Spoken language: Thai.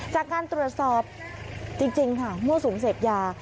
จากการตรวจสอบจริงค่ะมั่วสุมเสพยา